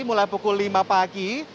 mulai pukul lima pagi